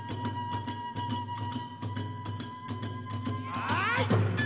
はい！